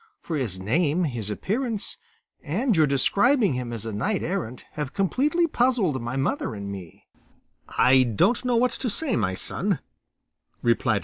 For his name, his appearance, and your describing him as a knight errant have completely puzzled my mother and me." "I don't know what to say, my son," replied.